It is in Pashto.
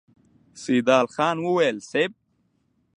سيدال خان وويل: صېب!